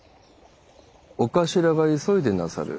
お頭が急いでなさる。